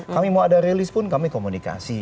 kami mau ada release pun kami komunikasi